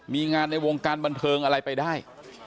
มีงานในวงการบันเทิงอะไรไปได้